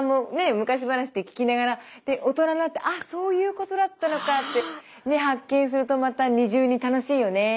昔話って聞きながら大人になって「ああそういうことだったのか」って発見するとまた二重に楽しいよね。